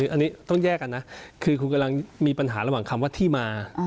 อันนี้ต้องแยกกันนะคือคุณกำลังมีปัญหาระหว่างคำว่าที่มา